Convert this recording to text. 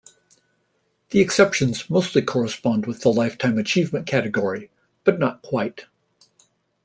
The exceptions mostly correspond with the lifetime achievement category, but not quite.